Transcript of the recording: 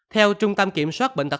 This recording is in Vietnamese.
theo trung tâm kiểm soát bệnh tật